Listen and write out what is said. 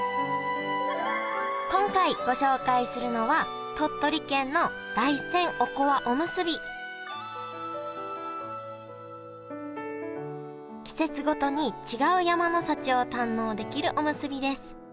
今回ご紹介するのは季節ごとに違う山の幸を堪能できるおむすびです。